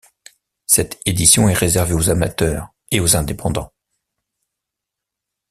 Cette édition est réservée aux amateurs et aux indépendants.